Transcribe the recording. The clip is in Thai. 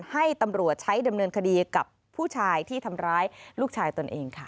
ให้ตำรวจใช้ดำเนินคดีกับผู้ชายที่ทำร้ายลูกชายตนเองค่ะ